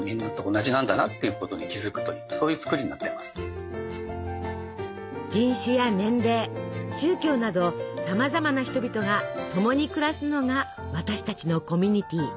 「セサミストリート」は人種や年齢宗教などさまざまな人々が共に暮らすのが私たちのコミュニティー。